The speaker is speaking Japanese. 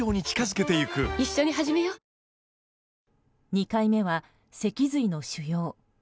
２回目は脊髄の腫瘍。